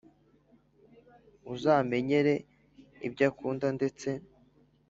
uzamenyere ibyo akunda ndetse